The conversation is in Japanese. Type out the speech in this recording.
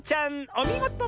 おみごと！